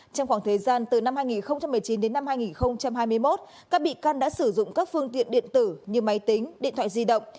trong khoảng thời gian từ năm hai nghìn một mươi chín đến năm hai nghìn hai mươi một các bị can đã sử dụng các phương tiện điện tử như máy tính điện thoại di động